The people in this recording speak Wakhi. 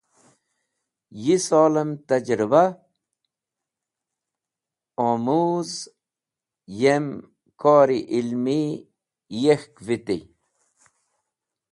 Yi solem tajarba- omuz yem kor-e ilmi yek̃hk viti.